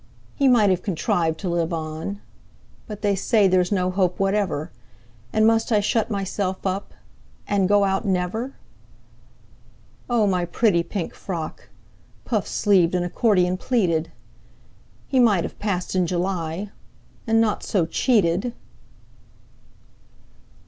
"He might have contrived to live on; But they say there's no hope whatever: And must I shut myself up, And go out never? "O my pretty pink frock, Puff sleeved and accordion pleated! He might have passed in July, And not so cheated!"